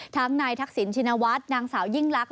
ทั้งนายทักษิณชินวัฒน์นางสาวยิ่งลักษ